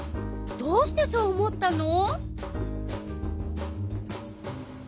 どうしてそう思ったの？